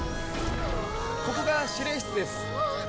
ここが司令室です。